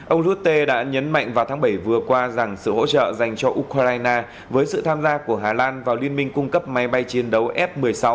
ông rutte đã nhấn mạnh vào tháng bảy vừa qua rằng sự hỗ trợ dành cho ukraine với sự tham gia của hà lan vào liên minh cung cấp máy bay chiến đấu f một mươi sáu